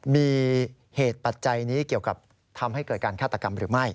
มีเหตุปัจจัยนี้เกี่ยวกับทำให้เกิดการฆาตกรรมหรือไม่